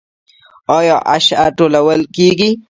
آیا عشر ټولول کیږي؟